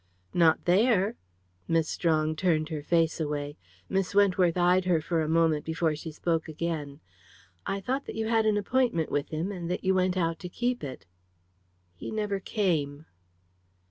"Not there?" Miss Strong turned her face away. Miss Wentworth eyed her for a moment before she spoke again. "I thought that you had an appointment with him, and that you went out to keep it." "He never came."